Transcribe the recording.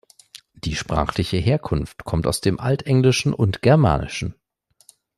Die sprachliche Herkunft kommt aus dem Altenglischen und Germanischen.